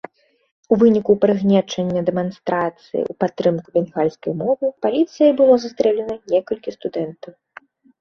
У выніку прыгнечання дэманстрацыі ў падтрымку бенгальскай мовы паліцыяй было застрэлена некалькі студэнтаў.